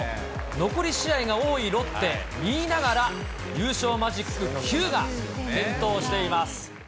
残り試合が多いロッテ、２位ながら、優勝マジック９が点灯しています。